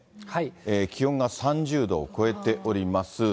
気温が３０度を超えております。